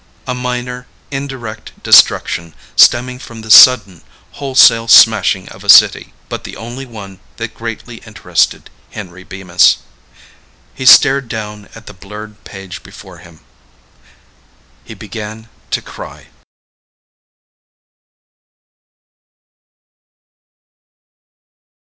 A minor, indirect destruction stemming from the sudden, wholesale smashing of a city. But the only one that greatly interested Henry Bemis. He stared down at the blurred page before him. He began to cry.